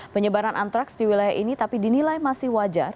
penyebaran antraks di wilayah ini tapi dinilai masih wajar